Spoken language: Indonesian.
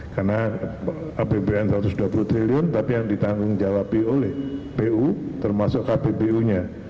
karena apbn satu ratus dua puluh triliun tapi yang ditanggung jawab oleh pu termasuk kppu nya